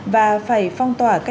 và phải phong tỏa